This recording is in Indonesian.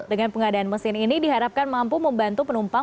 dengan pengadaan mesin ini diharapkan mampu membantu penumpang